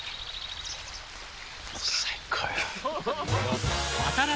最高よ。